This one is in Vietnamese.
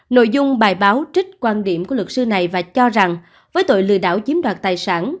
nội dung bài báo trích quan điểm của luật sư này và cho rằng với tội lừa đảo chiếm đoạt tài sản